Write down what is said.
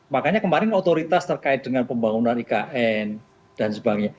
makanya kemarin otoritas terkait dengan pembangunan ikn dan sebagainya